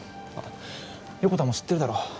横田も知ってるだろ。